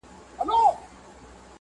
ما به ولي بې گناه خلک وژلاى٫